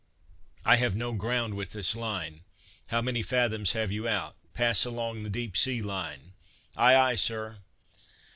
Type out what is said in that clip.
"I have no ground with this line." "How many fathoms have you out? pass along the deep sea line!" "Ay, ay, Sir."